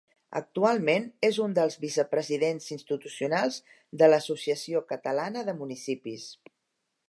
Actualment és un dels vicepresidents institucionals de l’Associació Catalana de Municipis.